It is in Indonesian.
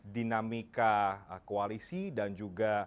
dinamika koalisi dan juga